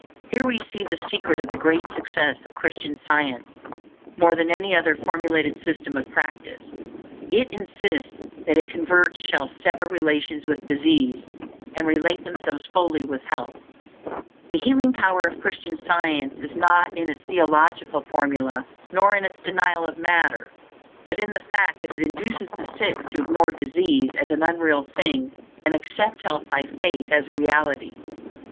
Here we see the secret of the great success of Christian Science; more than any other formulated system of practice, it insists that its converts shall sever relations with disease, and relate themselves fully with health. The healing power of Christian Science is not in its theological formulæ, nor in its denial of matter; but in the fact that it induces the sick to ignore disease as an unreal thing and accept health by faith as a reality.